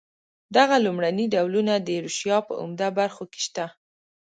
دغه لومړني ډولونه د ایروشیا په عمده برخو کې شته.